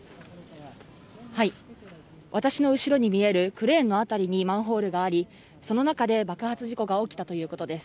私の後ろに見えるクレーンの辺りにマンホールがあり、その中で爆発事故が起きたということです。